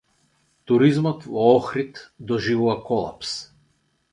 Туризмот во Охрид доживува колапс.